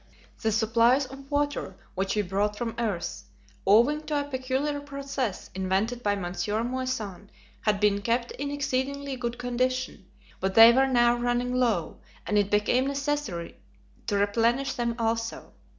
The supplies of water which we brought from the earth, owing to a peculiar process invented by Monsieur Moissan, had been kept in exceedingly good condition, but they were now running low and it became necessary to replenish them also.